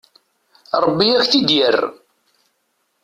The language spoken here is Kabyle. Rebbi ad ak-t-id-yerr.